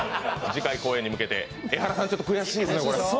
次回公演に向けて、エハラさん悔しいですね。